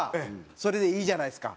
それでいいじゃないですか。